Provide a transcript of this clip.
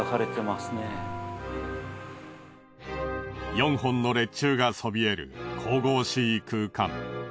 ４本の列柱がそびえる神々しい空間。